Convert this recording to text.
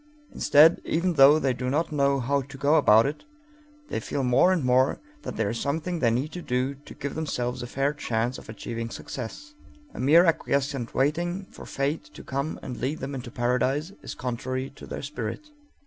Instead, even though they do not know how to go about it, they feel more and more that there is something they need to do to give themselves a fair chance of achieving success. A mere acquiescent waiting for Fate to come and lead them into paradise is contrary to their spirit.